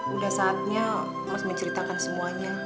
udah saatnya mas menceritakan semuanya